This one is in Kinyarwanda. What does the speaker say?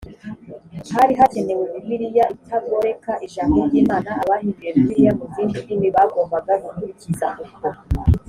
hari hakenewe bibiliya itagoreka ijambo ry imana abahinduye bibiliya mu zindi ndimi bagombaga gukurikiza uko